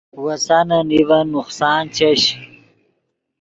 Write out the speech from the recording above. وسانے نیڤن نقصان چش